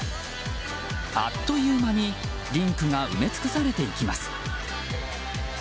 あっという間にリンクが埋め尽くされていきます。